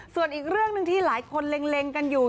ส่วนอีกเรื่องหนึ่งที่หลายคนเล็งกันอยู่